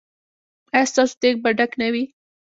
ایا ستاسو دیګ به ډک نه وي؟